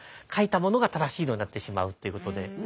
書いたものが正しいのになってしまうということで。